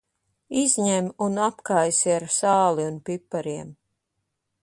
Izņem un apkaisi ar sāli un pipariem.